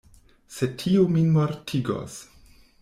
Sed tio min mortigos.